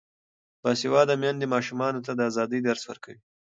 باسواده میندې ماشومانو ته د ازادۍ درس ورکوي.